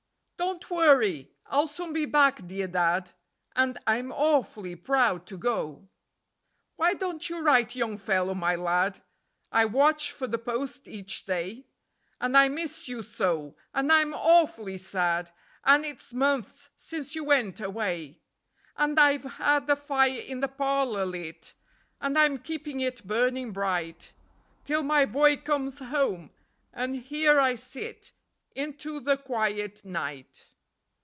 "Don't worry. I'll soon be back, dear Dad, And I'm awfully proud to go." ..... "Why don't you write, Young Fellow My Lad? I watch for the post each day; And I miss you so, and I'm awfully sad, And it's months since you went away. And I've had the fire in the parlour lit, And I'm keeping it burning bright Till my boy comes home; and here I sit Into the quiet night."